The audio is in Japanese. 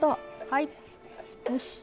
はい。